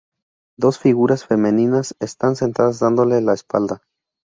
Dos figuras femeninas están sentadas dándole la espalda.